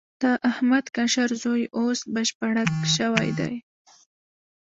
د احمد کشر زوی اوس بشپړک شوی دی.